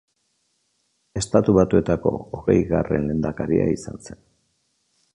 Estatu Batuetako hogeigarren lehendakaria izan zen.